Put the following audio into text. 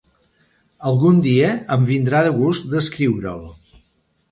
Algun dia em vindrà de gust descriure'l.